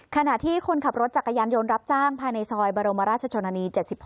ขณะที่คนขับรถจักรยานยนต์รับจ้างภายในซอยบรมราชชนนานี๗๖